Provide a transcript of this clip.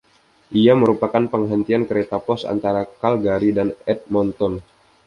Ia merupakan perhentian kereta pos antara Calgary dan Edmonton.